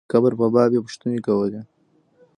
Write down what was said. د قبر په باب یې پوښتنې کولې.